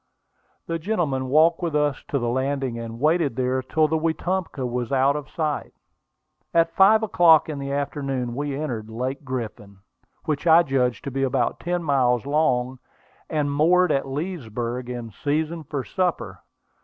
The gentleman walked with us to the landing, and waited there till the Wetumpka was out of sight. At five o'clock in the afternoon we entered Lake Griffin, which I judged to be about ten miles long, and moored at Leesburg in season for supper.